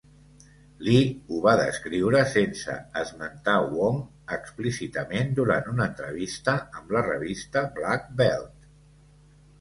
Lee ho va descriure, sense esmentar Wong explícitament, durant una entrevista amb la revista "Black Belt".